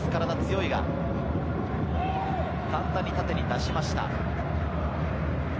簡単に縦に出しました。